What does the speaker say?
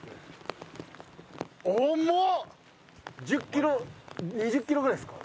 １０キロ２０キロぐらいですか？